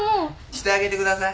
してあげてください。